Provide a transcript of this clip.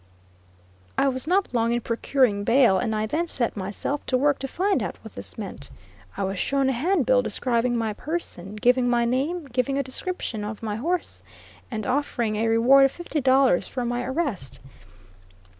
I was not long in procuring bail, and I then set myself, to work to find out what this meant. I was shown a handbill describing my person, giving my name, giving a description of my horse, and offering a reward of fifty dollars for my arrest.